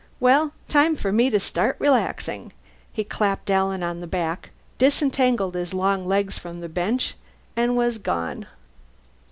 "Well, time for me to start relaxing." He clapped Alan on the back, disentangled his long legs from the bench, and was gone.